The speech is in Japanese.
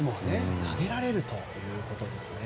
投げられるということですね。